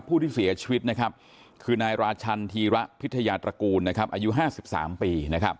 ผู้ที่เสียชีวิตนะครับคือนายราชันธีระพิทยาตระกูลอายุ๕๓ปี